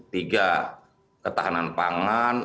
tiga ketahanan pangan